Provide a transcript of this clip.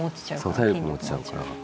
そう体力も落ちちゃうから。